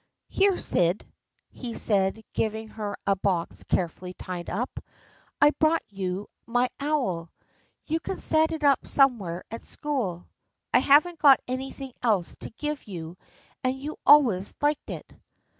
" Here, Syd," he said, giving her a box carefully tied up. " I've brought you my owl. You can set it up somewhere at school. I haven't got anything else to give you and you always liked it."